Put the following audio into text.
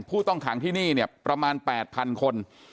ผู้ต้องขังที่นี่เนี่ยประมาณ๘๐๐๐คน